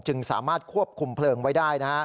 จึงสามารถควบคุมเพลิงไว้ได้